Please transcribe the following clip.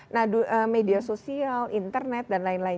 nah media sosial internet dan lain lain